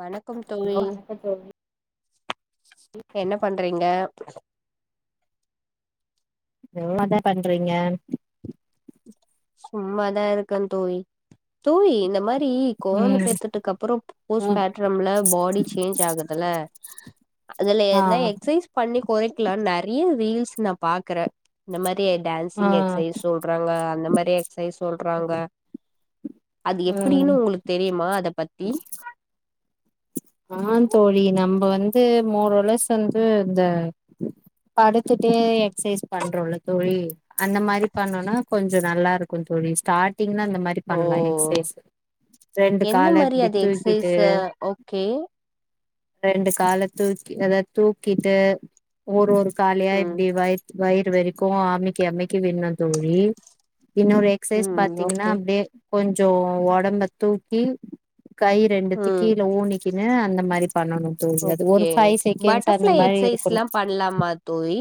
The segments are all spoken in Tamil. வணக்கம் தோழி ஹலோ வணக்க தோழி என்னப் பண்றீங்க எவ்ள தா பண்றீங்க சும்மாதா இருக்க தோழி தோழி இந்த மாரி ரி கொழந்த ம் பேத்துட்டுக்கு அப்புறோ ம் போஸ்பேட்டரம்ல பாடி சேஞ்ச் ஆகுதுல அதுல ஆ எதுனா எக்ஸசைஸ் பண்ணி கொறைக்கலா நெறைய ரீல்ஸ் நா பாக்குறே இந்த மாரி தே ஆ டான்சிங் எக்சசைஸ் சொல்றாங்க அந்த மாரி எக்சசைஸ் சொல்றாங்க அது ம் எப்டின்னு உங்களுக்கு தெரியுமா அத பத்தி ஆ தோழி நம்ம வந்து மோரொலெஸ் வந்து இந்த படுத்துட்டே எக்சசைஸ் பண்றோல தோழி அந்த மாரி பண்ணுனா கொஞ்சோ நல்லா இருக்கு தோழி ஸ்டார்டிங்னா இந்த மாரி ஓ பண்ணலா எக்ஸசைஸ் ரெண்டு எந்த கால மாரி இப்டி அது தூக்கிட்டு எக்சைஸ் ஓகே ரெண்டு கால தூக்கி அதாவ்து தூக்கிட்டு ஒரு ஒரு காலயா ம் இப்டி வயித் வயிறு வரைக்கு அமிக்கி அமிக்கி விடனு தோழி இன்னோரு எக்சைஸ் ம் பாத்தீங்கன்னா ஓகே அப்டியே கொஞ்சோ ஒடம்ப தூக்கி கை ரெண்டுத்து ம் கீழ ஊனிக்கினு அந்த மாரி பண்ணனும் தோழி அது ஓகே ஒரு ஃபைவ் செகண்ட்ஸ் அந்த பட்டர்ஃப்ளை மாரி இருக்கணு எக்சைஸ்லா பண்லாமா தோழி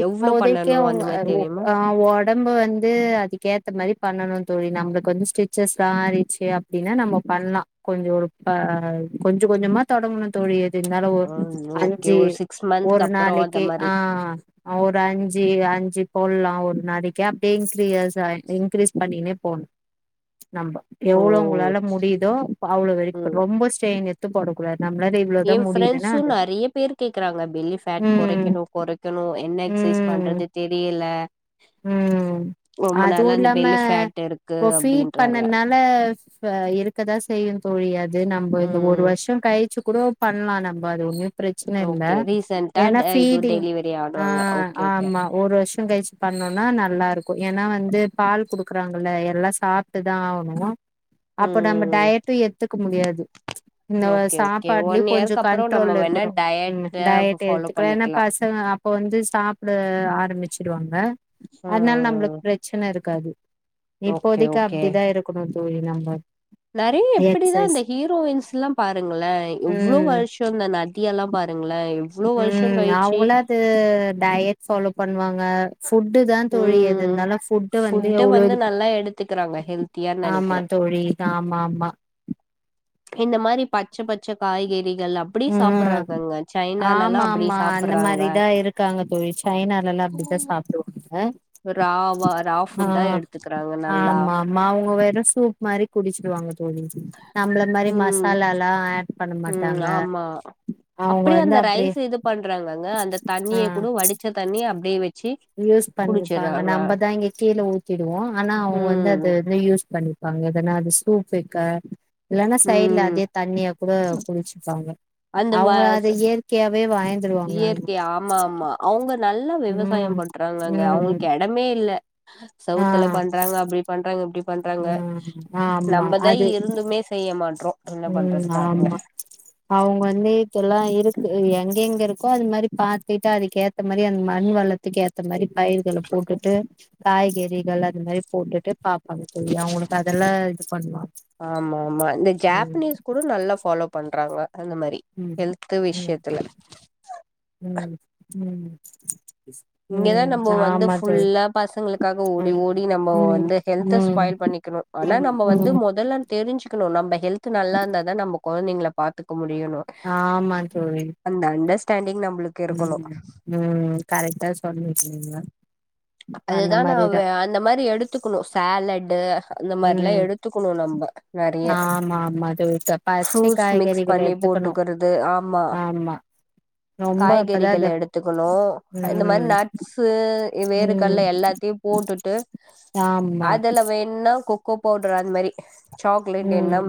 இப்போ எவ்ளோ புதைக்க பண்ணணு அந்த மாரி ஒ தெரியுமா அ ஒடம்பு வந்து அதுக்கேத்த மாரி பண்ணணும் தோழி நம்மளுக்கு வந்து ஸ்டிச்சஸ்ல்லா ஆறிச்சு அப்படின்னா நம்ம பண்லா கொஞ்சொ ஒரு ப கொஞ்சொ கொஞ்சமா தொடங்கணு தோழி எது இருந்தாலு ஒரு ம் ஓகே அஞ்சு ஒரு சிக்ஸ் மந்த்க்கு ஒரு அப்பறோ அந்த நாளைக்கு மாரி ஆ ஒரு அஞ்சு அஞ்சு போட்லா ஒரு நாளைக்கே அப்டியே இன்கிரீயஸ் ஆயி இன்கிரீஸ் பண்ணினே போனு நம்ப ஓ எவ்ளோ உங்களால முடியுதோ அவ்ளோ வரைக்கு ம் பண் ரொம்போ ஸ்டெயின் எடுத்து போடக்கூடாது. எ ஃப்ரண்ட்ஸு நெறைய பேர் கேக்குறாங்க பெல்லி ஃபேட் ம் கொறைக்கணு கொறைக்கணு என்ன எக்சைஸ் பண் ம் பண்றது தெரியல. ம் ரொம்ப அதுவு நாளா அந்த இல்லாம பெல்லி ஃபேட் இருக்கு போ ஃபீட் அப்டின்றாங்க பண்ணனால ஃப இருக்கதா செய்யு தோழி அது நம்ப இந்த ஒரு ம் வருஷோ கழிச்சு கூடோ பண்லா நம்ம அது ஒன்னு பிரச்சன இல்ல ஓகே ரீசன்டா ஏனா இது ஃபீடிங் டெலிவரி ஆ ஆனவங்க ஓகே ஓகே ஆமா ஒரு வருஷ் [unintelligible] பண்ணோனா நல்லாருக் ஏனா வந்து பால் குடுக்குறாங்கல்ல எல்லா சாப்ட்டுதா ஆவணு அப்ப நம்ம ம் டயட்டு எடுத்துக்க முடியாது. [inaudible] இந்த ஓகே சாப்பாட்டுலயு ஒன் கொஞ்சொ இயர்க்கு அப்பறோ நம்ம கன்ட்ரோல் வேணா இருக்கணு டயட் ன் டயட் ஃபாலோ எடுத்துக்க ஏன்னா பண்ணிக்கலா பசங்க அப் கொஞ்சொ சாப்ட ஆரம்பிச்சிடுவாங்க அதுனால ம் நம்மளுக் பிரச்சன இருக்காது. ஓகே இப்போதைக்கு ஓகே அப்டிதா இருக்கணும் தோழி நம்ம நெறைய எப்படிதா எக்சைஸ் இந்த ஹீரோயின்ஸ்லா பாருங்கள எவ்ளோ ம் வருஷோ இந்த நடி தியெல்லா பார் ம் அவங்கள்ளா அது டயட் ஃபாலோ பண்ணுவாங்க ஃபுட்டுதா தோழி எது ம் இருந்தாலு ஃபுட்டு வந்து ஃபுட்ட எவ்ளோ இருக் நல்லா எடுத்துக்கிறாங்க ஹெல்த்தியான்னு ஆமா நெனைக்கிறே தோ தோழி இது ஆமா ஆமா இந்த மாரி பச்ச பச்ச காய்கறி ம் ஆமா அப்டி ஆமா அந்த சாப்புட்றாங்க மாரிதா இருக்காங்க தோழி சைனாலல் அப்டித்தா சாப்டு அ ஒ ராவா ரா ஃபுட்டா எடுத்துக்குறாங்க நல்லா உங்க வேற சூப் மாரி குடிச்சுக்டுவாங்க. நம்மள மாரி ம் மசாலாலா ஆட் பண்ண மாட்டாங்க. ஆ அ அவங்க அப்டியே வந்து அந்த ரைஸ் இது பண்றாங்கங்க அந்த ஆ தண்ணிய கூட வடிச்ச தண்ணி அப்டியே வச்சு யூஸ் பண்ணிப்பாங்க குடிச்சிட்றாங்க நம்மதா இங்க கீழே ஊத்திடுவோ ஆனா அவங்க வந்து ம் அத வந்து யூஸ் பண்ணி தண்ணி எதுனா அது சூப் வைக்க இல்லனா சைட்ல ம் அதையே தண்ணியா கூட குடிச்சுப்பாங்க அவங்க அத இயற்கையா இயற்கைய ஆமா ஆமா அவங்க நல்லா ம் விவசாயம் பண்றாங்கங்க ம் அவங்களுக்கு எடமே இல்ல ஆ சவுத்ல பண்றாங்க அப்டி பண்றாங்க இப்டி பண்றாங்க ம் ஆமா நம்மதா அது இருந்துமே செய்ய மாட்றோ என்ன பண்றது ம் பாருங்க ஆமா அவங்க வந்து இதல்லா இருக்கு எங்கெங்க றிக்கு அது மாரி பாத்துக்ட்டா அதுக்கு ஏத்த மாரி அந்த மண் வளத்துக்கு ஏத்த மாரி பயிர்கள போட்டுட்டு காய்கறிகள் அந்த மாரி போட்டுட்டு பாப் கண்டி தோழி அவங்களுக்கு அதெல்லா இது பண்லா ஆமா ஆமா இந்த ம் ஜாப்பனீஸ் கூட நல்லா ஃபாலோ பண்றாங்க. அந்த மாரி ம் ஹெல்த்து ம் விஷயத்துல ம் ம் இங்கதா ம் நம்ம வந்து ஆமா தோழி ஃபுல்லா பசங்களுக்காக ஓடி ஓடி நம்ம ம் வந்து ஹெல்த்த ஸ்பா ம் ம் யில் பண்ணிக்கணு ஆனா நம்ம வந்து ம் மொதல்ல தெரிஞ்சுக்கணு நம்ம ஹெல்த் நல்லா இருந்ததா நம்ம கொழந்தைங்கள பாத்துக்க முடியணு ஆமா தோழி அந்த அண்டர்ஸ்டாண்டிங் நம்ம ம் ம் கரெக்டா சொன்னிட்டீங்க அதுதா நான் அந்த மாரி எடுத்துக்கணு சேலட்டு அந்த மாரி எல்லா ம் எடுத்துக்கணு நம்ப நெறய ஆமா ஆமா தோழி பச்சை ஃப்ரூட்ஸ் மிக்ஸ் காய்கறிகள பண்ணி எடுத்துக்கணு போட்டுக்கிறது ஆமா ரொம்ப இப்பதா காய்கறிகள அது எடுத்துக்கணு இந்த மாரி ம் நட்ஸு வேறு ம் கல்ல எல்லாத்தையு போட்டுட்டு ஆமா அதுல வேனா கொக்கோ பவுடர் அந்த மாரி சாக்லேட் ம் என்னம்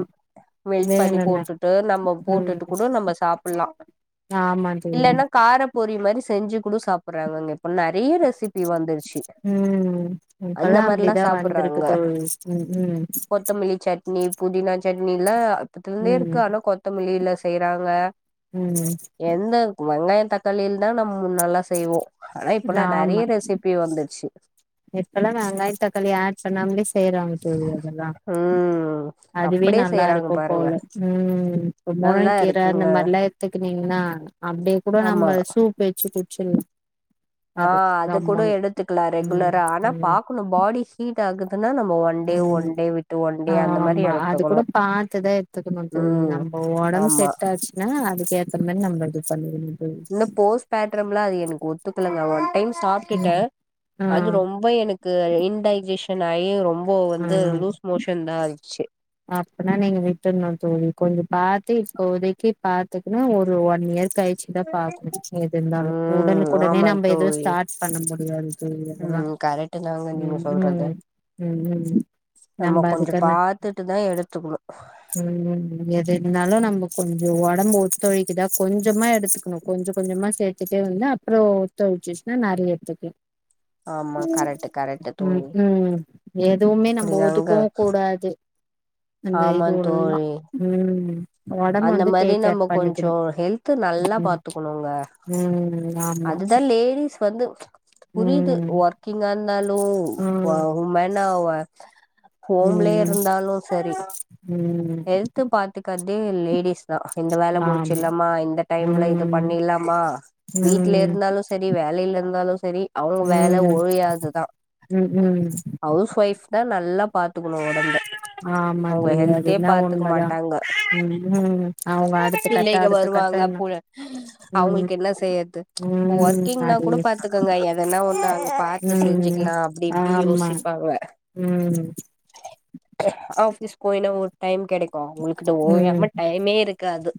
மெல்ட் பண்ணி வேணுன்ன போட்டுட்டு நம்ம ம் போட்டுட்டு கூட நம்ம சாப்ல்லா ஆமா தோழி இல்லைனா கார பொறி மாரி செஞ்சு கூட சாப்பிடறாங்கங்க இப்ப நெறயா ரெசிபி பி வந்துருச்சு ம் அந்த இப்பல்லா மாரில்லா அப்டிதா வந்திருக்கு சாப்டுறாங்க தோழி ம் ம் கொத்தமல்லி சட்னி புதினா சட்னியெல்லா அப்பதுலந்தே இருக்கு ம் ஆனா கொத்தமல்லில செய்றாங்க ம் எந்த வெங்காயோ தக்காளில்தான் நம் செய்வோ ஆனா இப்பெல்லா நெறயா ரெசிபி வந்துருச்சு இப்பெல்லா வெங்காய தக்காளி ஆட் பண்ணாமலயே செய்யறாங்க தோழி அதெல்லா ம் அதுவே அப்டியே நல்லா செய்யறாங்க பாருங்க இருக்கும்போல ம் நல்லா முருன்கீர அந்த இருக்குங்க மாதரில்லா எத்துக்கனீங்கன்னா அப்டியே கூட ஆமா நம்ம சூப் வெச்சு குச்சினு ஆ அது கூட எடுத்துக்கலா ம் ரெகுலரா ஆனா ம் பாக்கணு பாடி ஹீட் ஆகுது னா நம்ம ஒன் டே ம் ஒன் டே விட்டு ஒன் டே அந்த மாரி ஆமா அது எடுத்துக்கணு ம் உன் ஒடம்பு ஆமா செட் ஆச்சுன்னா அதுக்க ஏத்த மாரி நம்ம இது பண்ணிறனு ன்னு போஸ் பேட்ரம்லா அது எனக்கு ஒத்துக்கலங்க அவன் ஒரு டைம் சாப்டுட்டு ம் ஆ அது ரொம்ப எனக்கு இன்டைஜேஷன் ஆயி இப்போ ஆ வந்து லூஸ் மோஷன்தா ஆச்சு அப்பனா நீங்க விட்டுருணுந் தோழி கொஞ்சோ பாத்து இப்போதைக்கு பாத்துக்கனு ஒரு ஒன் இயர் கழிச்சுதா பாக்கணு எது இந்தாலு ம் உடனுக்குடனே ஆமா நம்ம எதுவு தோழி ஸ்டார்ட் பண்ண முடியாது தோழி அத ம் கரெகட்டுதாங்க நீங்க சொல்றது ம் ம் நம்ம கொஞ்சோ பாத்துட்டு தா எடுத்துக்கணு ம் எது இருந்தாலு நம்ம கொஞ்சோ ஒடம்பு ஒத்துழைக்குதா கொஞ்சமா எடுத்துக்கணு கொஞ்ச கொஞ்ச மா சேத்துட்டே வந்து அப்றோ ஒத்துழைச்சுச்சுன்னா நெறயா எடுத்துக்கலா ஆமா கரெக்ட் கரெக்ட் தோழி ம்ஹும் ஏ எதுவுமே நம்ம ஒதுக்கவு கூடாது ஆமாங் ஃபுல்லா ம் ஒடம்பு அந்த வந்து மாரி டேக்கேர் நம்ம பண்ணிக்கணு கொஞ்சோ ஹெல்த் நல்லா ம் பாத்துக்கணுங்க ம் ஆமா இப்ப வந்து புரிது ம் வொர்க்கிங்கா இருந்தாலு ம் உமன் ம் ஹோம்லயே ம் இருந்தாலு செரி ஹெல்த் பாத்துக்கறது லேடிஸ் தா இந்த வேல ஆமா முடிச்சிடலாமா இந்த டைம்ல இது ம் பண்ணிலாமா வீட்ல ம் இருந்தாலு செரி வே வேலைல இருந்தாலு சரி அவுங்க வேல ம் ஒழியாதுதா ம் ம் ஹவுஸ் ஒய்ஃப்தா ந ல்லா பாத்துக்கணு ஒடம்ப ஆமா அவுங்க தோழி அது ஹெல்த்தியா என்னவோ பாத்துக்க உண்மதா மாட்டாங்க ம் ம் அவங்க அடுத்த கட்ட பிள்ளைக அடுத்த வருவாங்க கட்டன்னு போல ம் அவுங்களுக்கு என்ன செய்யறது ம் ஒர்க்கிங்னா அது கூட பாத்துக்கங்க எதனா ஒன்னு அவுங்க பாத்து செஞ்சு ம் க்கலா அப்டி இப்டி ஆமா யோசிப்பாங்க ம் ஆஃபீஸ் கோய்னா ஒரு டைம் கெடைக்கு உங்களுகிட்ட ஓயாம ம் ம டைமே இருக்காது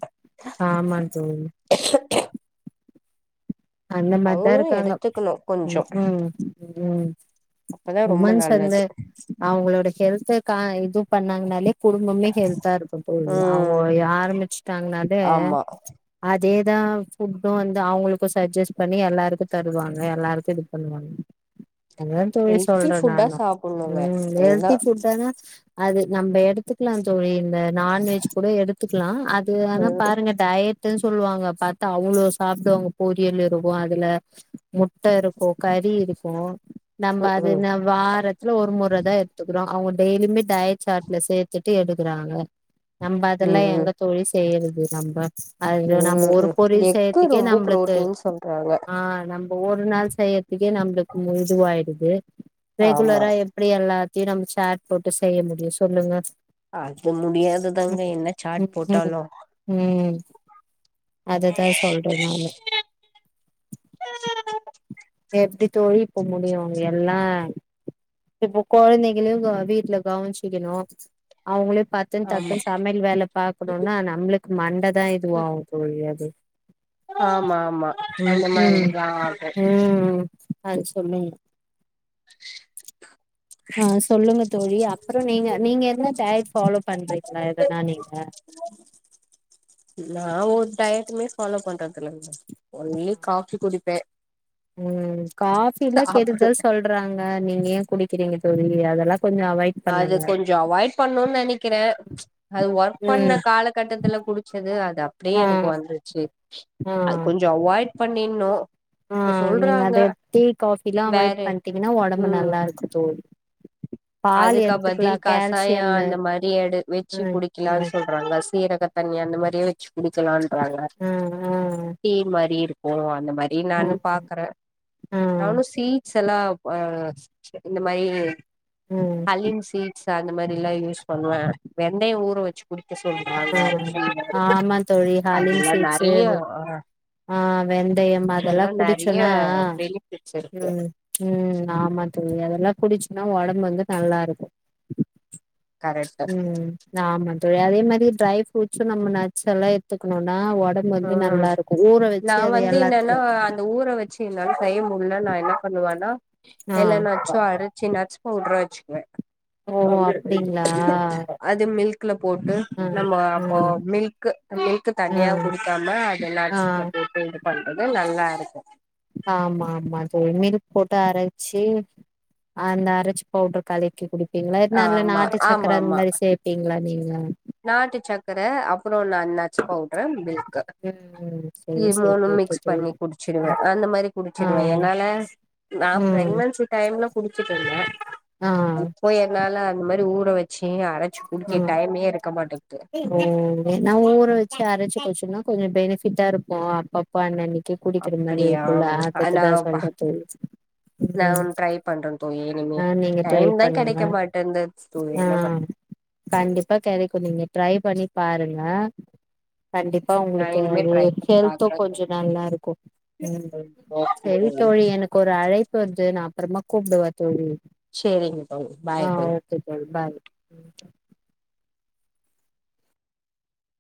ஆமா தோழி அந்த மாரிதா அவ்ங்களு இருக்காங்க எடுத்துக்கொணு கொஞ்சொ ம் ம் ம் அப்பதா ரொம்ப உமன்ஸ் வந்து நல்லது அவங்களோட ஹெல்தே கான இது பண்ணாங்னாலே குடும்பமே ஹெல்தா இருக்கு தோழி அவங்க ம் யாரு முடிச்டாங்னாவே ஆமா அதேதா ஃபுட்டு வந்து அவுங்ளுக் கு சஜஸ்ட் பண்ணி எல்லாருக்கு தருவாங்க எல்லாருக்கு இது பண்ணுவாங்க அதா தோழி ஹெல்த்தி சொல்றே ஃபுட்டா நானு சாப்புட்ணுங்க ம் அதுதா ஹெல்த்தி ஃபுட்டாதா அது நம்ப எடுத்துக்லாந் தோழி இந்த நான்வெஜ் கூட எடுத்துக்லா அ து ஆனா ம் பாருங்க டயட்டுன் சொல்லுவாங்க பாத்தா அவ்ளோ சாப்டுவாங்க பொரியல் இருக்கு அதுல முட்ட இருக்கு கறி இருக்கு நம்ம ம் அதுன வாரத்துல ஒரு முறதா எடுத்துக்குறோ அவங்க டெய்லியுமே டயட்சாட்ல சேத்துட்டு எடுக்குறாங்க நம்ப அதெல்லா ம் ம் ம் எங்க தோழி செய்யற து நம்ப அதுல நம்ப ஒரு பொறில் செய்யற்த்துக்கே நம்ளுக் போட்டின் சொல்றாங்க ஒவ்வொரு நாள் செய்யறதுக்கே நம்ளுக்கு முதுவாயிடுது ஆமா ரெகுலரா எப்டி எல்லா தியு நம்ம சேர் போட்டு செய்ய முடியு சொல்லுங்க அது முடியாது தாங்க ம் என்ன சாட் ம் போட்டாலு அதுதா சொல்றே நானு எப்டி தோழி இப்ப முடியு அவங்க எல்லா இப்ப கொழந்தைகளையு க வீட்ல கவுன்ச்சிக்கணு அவங்களே பாத்துன் ஆமா டக்குன் சமையல் வேல பாக்கணுன்னா நம்ளுக்கு மண்ட தா இது வாகு தோழி அது ஆமா ஆமா ம் அந்த மாரிதா ஆகு ஆ சொல்லுங்க ஆ சொல்லுங்க தோழி அப்றொ நீங்க நீங்க என்ன டயட் ஃபாலோ பண்றீங்ளா எதனா நீங்க நா ஒரு டயட்டுமே ஃபாலோ பண்றதுல்லங்க ஒன்லி காஃபி குடிப்பே ம் காஃபில்லா கெடுதல் சாப்டுவே சொல்றாங்க நீங்க ஏ குடிக்கிறீங்க தோழி அதெல்லா கொஞ்சோ அவாய்ட் அது பண்ணுங்க கொஞ்சோ அவாய்ட் பண்ணுன் நெனக்கிறே அது ஒர்க் பண்ண ம் காலக்கட்டத்துல குடிச்ச து அது அப்டியே ஆ எனக்கு வந்துருச்சு ஆ அது கொஞ்சொ அவாய்ட் பண்ணிட்ணு ஆ இப்ப நீங்க சொல்றாங்க அத டீ காஃபில்லா அவாய்ட் வேற பண்ட்டீங்கன்னா ஒடம்பு நல்லா இருக்கு தோழி பால் அதுக்க எடுத்துக்கலா பதில் கசாயொ கால்சியம்மு அந்த மாரி எடு வெச்சி ம் குடிக்கிலான் ம் சொல்றாங்க சீரக தண்ணி அந்த மாரியே வெச்சி குடிக்கலான்றாங்க ஆ ஆ டீ மாரியே இருக்கு அந்த மாரி ஆ நானு பாக்குற ஆ நானு சீட்ஸ் எல்லா வா இந்த மாரி ம் ஹல்லிங் சீட்ஸ் அந்த மாரி எல்லா யூஸ் பண்ணுவ வெந்தயொ ஊற வச்சு குடிக்க சொல்றாங்க அது சொல்றே ஆ ஆமாந் தோழி ஹாலின் அதுல சீட்ஸு நெறைய ஆ ஆ வெந்தயம் அதல்லா அதெல்லா நெறைய குடிச்சோனா பெனிஃபிட்ஸ் இருக்கு ம் ம் ஆமா தோழி அதெல்லா குடிச்சுன்னா ஒடம்பு வந்து நல்லா இருக்கு கரெக்ட் ம் ஆமா தோழி அதே மாரி ட்ரை ஃப்ரூட்ஸு நம்ம நட்ஸ் எல்லா எடுத்துக்கணுன்னா ஆ ஒடம்பு வந்து ம் நல்லா இருக்கு ஊற வச்சு அது எல்லாத்துல சி என்னால செய்ய முல்ல நா என்ன பண்ணுவனா ஆ எல்லா நட்ஸு அரச்சி நட்ஸ் பவ்ட்ரா வெச் அப்டீங்ளா அது மில்க்ல போட்டு நம்ம அப்போ ம் மில்க்கு மில்க்க ஆ தனியா குடிக்காம ஆ அதுலாச்சு போட்டு உட்டு இது பண்றது நல்லா இருக்கு ஆமா ஆமா தோழி மில்க் போட்டு அந்த அரச்ச பவ்ட்ர கலக்கி குடிப் பின்ன வெட்னா அதுல ஆமா நாட்டு ஆமா சக்கரை அந்த ஆமா மாரி சேப்பீங்களா நீங்க நாட்டு சக்கரை அப்பறோ நா நட்ஸ் பவுடர் மில்க் க ம் சேரி இது சேரி மூணு ஓகே மிக்ஸ் பண்ணி தோழி குடிச்சுருவே ம் அந்த மாரி ஆ குடிச்சுடுவே என்னால நா ம் ப்ரக்னன்சி டைம்ல குடிச்சுட்ருந்தே ஆ இப்போ என்னால இந்த மாரி ஊற வச்சு அரைச்சு குடிக்க டைமே மாட்டேங்குது ஓ நா ஊர வச்சு ஆரச்சு சொ ன்னா கொஞ்ச பெனிஃபிட்டா இருக்கு அப்பப்பா அன்னனிக்கி க்கி குடிக்கிற மாரி அப்படியா இருக்குல்ல அதுக்குதா நான்ப்பா சொல்றது நான் ம் ஒன்னு ட்ரை பண்றேன் தோழி இனிமே ஆ நீங்க ட்ரை டைம் தான் பண்ணுங்க கிடைக்க மாட்டேன்து தோழி ஆ என்ன பண்றது கண்டிப்பா கெடைக்கு நீங்க ட்ரை பண்ணி பாருங்க கண்டிப்பா நான் உங்களுக்கு இனிமே அது ட்ரை பண்ணி ஹெல்த்தும் பாக்குறேன் கொஞ்ச நல்லாருக்கும் ம் தோழி ஓகே செரி தோழி எனக்கு ஒரு அழைப்பு வருது நா அப்பறமா கூப்டவா தோழி சரிங்க தோழி ஆ பாய் தோழி ஓகே தோழி ஃபாய்